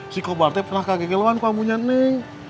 si komar itu pernah kaget gelombang punya neng